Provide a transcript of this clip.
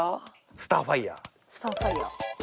スターファイヤー。